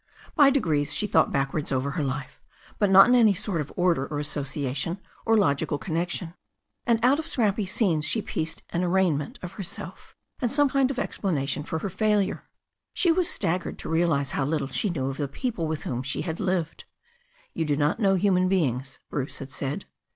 By degrees she thought backwards over her life, but not in any sort of order or association or logical connection, and out of scrappy scenes she pieced an arraignment of herself, and some kind of explanation for her failure. She was staggered to realize how little she knew of the people with whom she had lived. "You do not know human beings," Bruce had said.